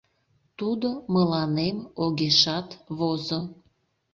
Тудо мыланем огешат возо.